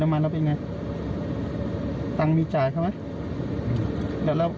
น้ำมันแล้วเป็นยังไงตังค์มีจ่ายใช่ไหมเดี๋ยวแล้ว